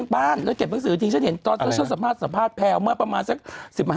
แล้วเก็บหนังสือจริงฉันเห็นตอนสัมภาษณ์สัมภาษณ์แพลวเมื่อประมาณสัก๑๕ปีแล้ว